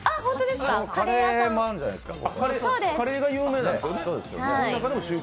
カレーもあるじゃないですか。